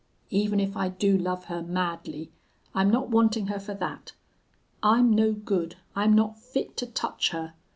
Even if I do love her madly I'm not wanting her for that. I'm no good. I'm not fit to touch her....